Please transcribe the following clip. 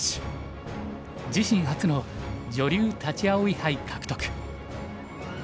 自身初の女流立葵杯獲得。